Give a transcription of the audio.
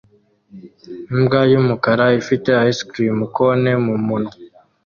Imbwa yumukara ifite ice cream cone mumunwa